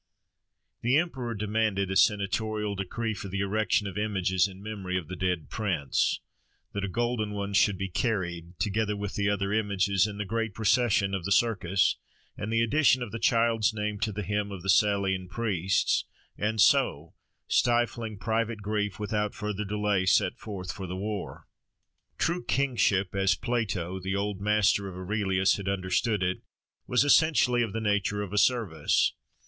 The emperor demanded a senatorial decree for the erection of images in memory of the dead prince; that a golden one should be carried, together with the other images, in the great procession of the Circus, and the addition of the child's name to the Hymn of the Salian Priests: and so, stifling private grief, without further delay set forth for the war. True kingship, as Plato, the old master of Aurelius, had understood it, was essentially of the nature of a service.